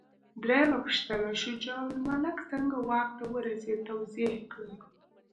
درېمه پوښتنه: شجاع الملک څنګه واک ته ورسېد؟ توضیح یې کړئ.